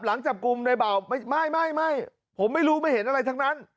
หลังจับกลุ่มในเบาไม่ไม่ผมไม่รู้ไม่เห็นอะไรทั้งนั้น